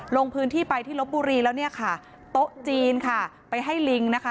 ลงพื้นที่ไปที่ลบบุรีแล้วเนี่ยค่ะโต๊ะจีนค่ะไปให้ลิงนะคะ